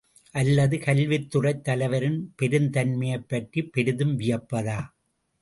அல்லது, கல்வித்துறைத் தலைவரின் பெருந்தன்மையைப் பற்றிப் பெரிதும் வியப்பதா?